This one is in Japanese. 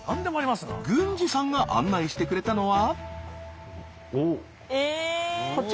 郡司さんが案内してくれたのは。